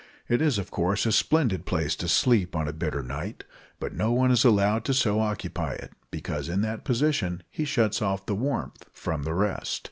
It is, of course, a splendid place to sleep on a bitter night, but no one is allowed so to occupy it, because in that position he shuts off the warmth from the rest.